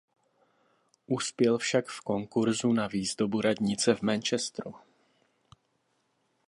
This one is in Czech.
Uspěl však v konkurzu na výzdobu radnice v Manchesteru.